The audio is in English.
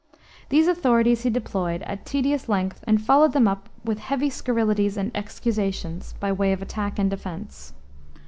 These authorities he deployed at tedious length and followed them up with heavy scurrilities and "excusations," by way of attack and defense.